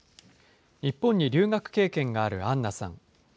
日本に留学経験があるアンナさん。